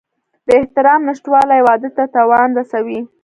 د احترام نشتوالی واده ته تاوان رسوي.